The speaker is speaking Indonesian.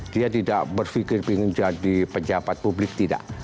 dia tidak berpikir ingin menjadi pejabat publik tidak